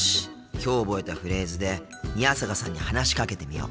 きょう覚えたフレーズで宮坂さんに話しかけてみよう。